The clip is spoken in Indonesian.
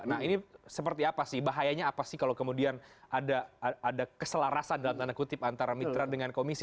jadi seperti apa sih bahayanya apa sih kalau kemudian ada ada keselarasan dalam tanda kutip antara mitra dengan komisi